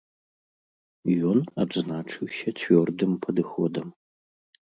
Ён адзначыўся цвёрдым падыходам.